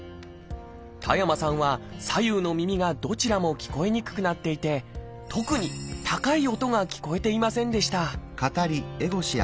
田山さんは左右の耳がどちらも聞こえにくくなっていて特に高い音が聞こえていませんでした